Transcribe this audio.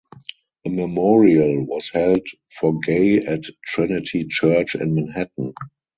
A memorial was held for Gay at Trinity Church in Manhattan.